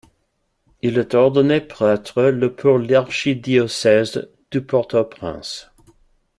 Il est ordonné prêtre le pour l'archidiocèse de Port-au-Prince.